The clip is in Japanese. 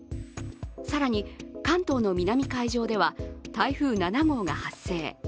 更に、関東の南海上では台風７号が発生。